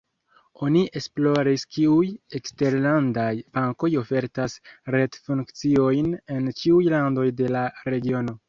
Oni esploris kiuj eksterlandaj bankoj ofertas retfunkciojn en ĉiuj landoj de la regiono.